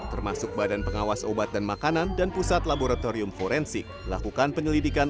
termasuk badan pengawas obat dan makanan dan pusat laboratorium forensik lakukan penyelidikan